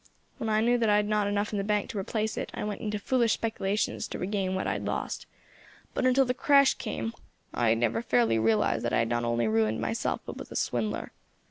When I knew that I had not enough in the bank to replace it, I went into foolish speculations to regain what I had lost; but until the crash came I had never fairly realised that I had not only ruined myself but was a swindler.